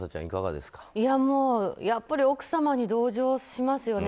やっぱり奥様に同情しますよね。